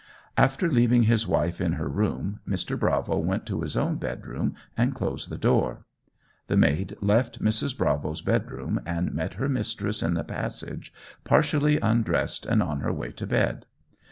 After leaving his wife in her room, Mr. Bravo went to his own bedroom and closed the door. The maid left Mrs. Bravo's bedroom and met her mistress in the passage partially undressed and on her way to bed.